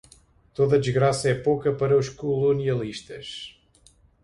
Toda desgraça é pouca para os colonialistas